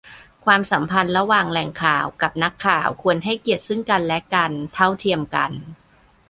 ความสัมพันธ์ระหว่างแหล่งข่าวกับนักข่าวควรให้เกียรติซึ่งกันและกัน เท่าเทียมกัน